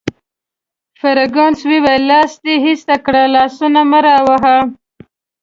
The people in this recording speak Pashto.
فرګوسن وویل: لاس دي ایسته کړه، لاسونه مه راوهه.